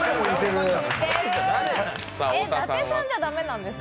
伊達さんじゃ駄目なんですか？